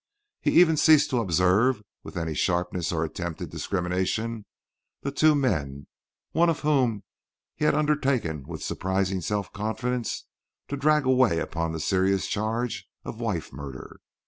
He even ceased to observe, with any sharpness or attempted discrimination, the two men, one of whom he had undertaken with surprising self confidence, to drag away upon the serious charge of wife murder.